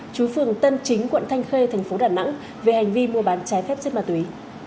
chú phường tân chính quận thanh khê tp đà nẵng về hành vi mua bán trái phép xét ma túy